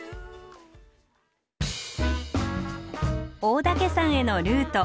大岳山へのルート。